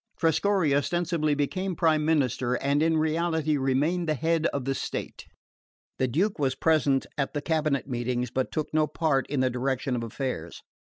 Trescorre ostensibly became prime minister, and in reality remained the head of the state. The Duke was present at the cabinet meetings but took no part in the direction of affairs.